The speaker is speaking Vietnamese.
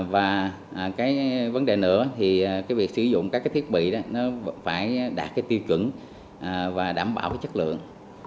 và cái vấn đề nữa thì cái việc sử dụng các cái thiết bị đó nó phải đạt cái tiêu chuẩn và đảm bảo cái chất lượng